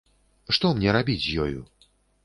Што мне рабіць з ёю?